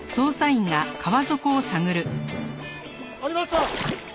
ありました！